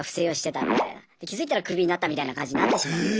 で気づいたらクビになったみたいな感じになってしまうんで。